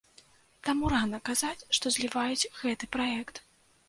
Таму рана казаць, што зліваюць гэты праект.